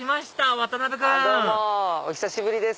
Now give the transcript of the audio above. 渡辺君お久しぶりです。